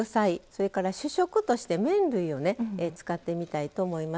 それから主食として麺類をね使ってみたいと思います。